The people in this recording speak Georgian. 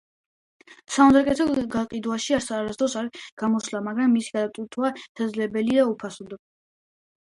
საუნდტრეკი გაყიდვაში არასდროს არ გამოსულა, მაგრამ მისი გადმოტვირთვა შესაძლებელია უფასოდ.